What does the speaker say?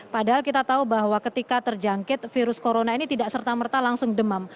padahal kita tahu bahwa ketika terjangkit virus corona ini tidak serta merta langsung demam